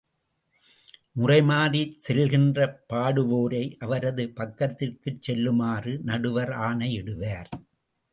முறை மாறிச் செல்கின்ற பாடுவோரை, அவரது பக்கத்திற்குச் செல்லுமாறு நடுவர் ஆணையிடுவார்.